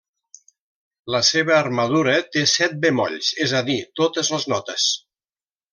La seva armadura té set bemolls, és a dir, totes les notes.